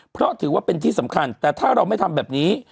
เพราะถือว่าเป็นที่สำคัญแต่ถ้าเราไม่ทำแบบนี้